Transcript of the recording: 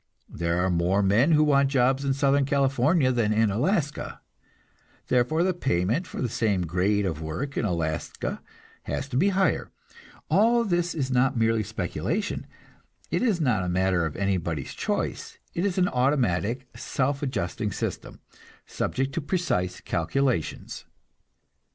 There are more men who want jobs in Southern California than in Alaska, therefore the payment for the same grade of work in Alaska has to be higher. All this is not merely speculation, it is not a matter of anybody's choice; it is an automatic, self adjusting system, subject to precise calculations.